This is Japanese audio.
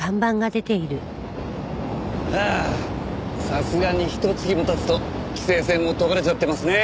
さすがにひと月も経つと規制線も解かれちゃってますね。